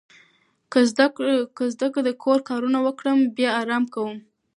که زه د کور کارونه وکړم، بیا آرام کوم.